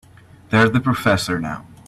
There's the professor now.